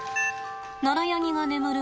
ナラヤニが眠る